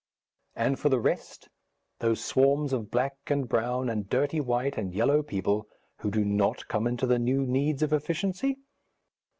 And for the rest, those swarms of black, and brown, and dirty white, and yellow people, who do not come into the new needs of efficiency?